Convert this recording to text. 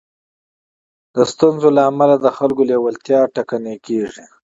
د ستونزو له امله د خلکو لېوالتيا ټکنۍ کېږي.